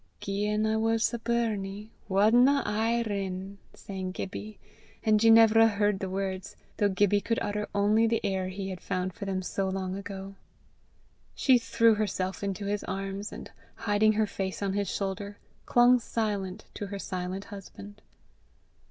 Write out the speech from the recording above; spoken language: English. "Gien I was a burnie, wadna I rin!" sang Gibbie, and Ginevra heard the words, though Gibbie could utter only the air he had found for them so long ago. She threw herself into his arms, and hiding her face on his shoulder, clung silent to her silent husband.